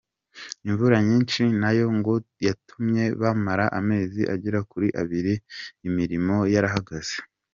Imvura nyinshi na yo ngo yatumye bamara amezi agera kuri abiri imirimo yarahagaze.